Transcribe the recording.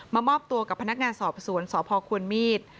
มอบตัวกับพนักงานสอบสวนสพควรมีด